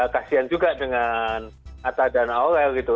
kasian juga dengan atta dan aol gitu